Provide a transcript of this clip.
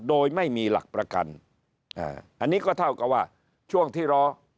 โดยไม่มีหลักประกันอันนี้ก็เท่ากับว่าช่วงที่รอ